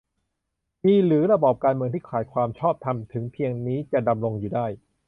มีหรือ ระบอบการเมืองที่ขาดความชอบธรรมถึงเพียงนี้จะดำรงอยู่ได้